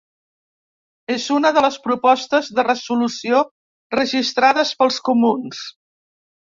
És una de les propostes de resolució registrades pels comuns.